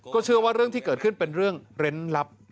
เชื่อว่าเรื่องที่เกิดขึ้นเป็นเรื่องเร้นลับ